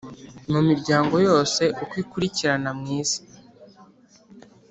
Mu miryango yose uko ikurikirana mw’isi,